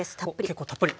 結構たっぷり。